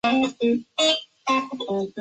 县治玻利维亚。